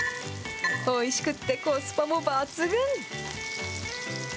おいしくってコスパも抜群。